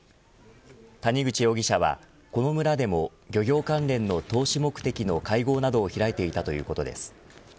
谷口容疑者は、この村でも漁業関連の投資目的の会合などを開いていたということです。